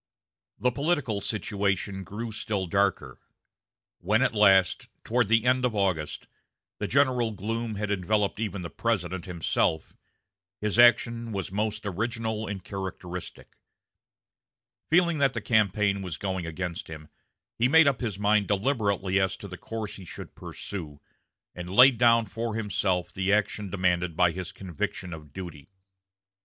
The political situation grew still darker. When at last, toward the end of August, the general gloom had enveloped even the President himself, his action was most original and characteristic. Feeling that the campaign was going against him, he made up his mind deliberately as to the course he should pursue, and laid down for himself the action demanded by his conviction of duty.